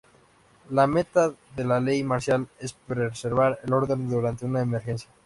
La meta de la ley marcial es preservar el orden durante una emergencia.